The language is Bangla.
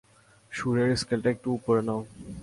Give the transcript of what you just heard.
সুরের স্কেলটা একটু উপরে নাও।